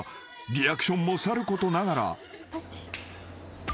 ［リアクションもさることながら］